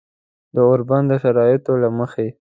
د اوربند د شرایطو له مخې